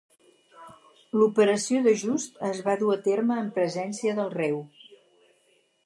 L'operació d'ajust es va dur a terme en presència del reu.